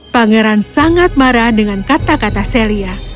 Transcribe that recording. pangeran sangat marah dengan kata kata celia